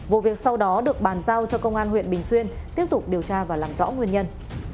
vụ việc sau đó được bàn giao cho công an huyện bình xuyên tiếp tục điều tra và làm rõ nguyên nhân